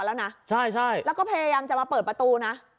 แล้วก็พยายามจะมาเปิดประตูนะ